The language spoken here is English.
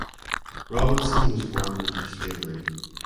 Robinson was born into slavery.